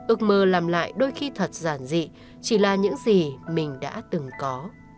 ước mơ làm lại đôi khi thật giản dị chỉ là những gì mình đã từng có